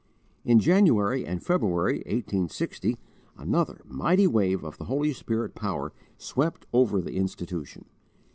In January and February, 1860, another mighty wave of Holy Spirit power swept over the institution.